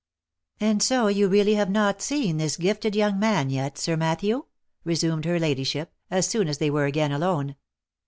" And so you really have not seen this gifted young man yet, Sir Matthew V resumed her ladyship, as soon as they were again alone.